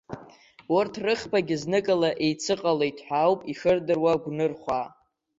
Урҭ рыхԥагьы зныкала еицыҟалеит ҳәа ауп ишырдыруа гәнырхәаа.